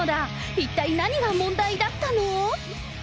一体何が問題だったの？